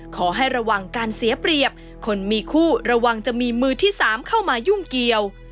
ขอให้ระวังการเสียเปรียบคนมีคู่ระวังจะมีมือที่๓เข้ามายุ่งเกี่ยว